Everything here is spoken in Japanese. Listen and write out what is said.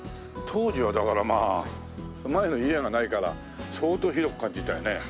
当時はだからまあ前の家がないから相当広く感じたよね。